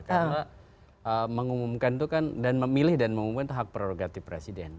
karena mengumumkan itu kan dan memilih dan mengumumkan itu hak prerogatif presiden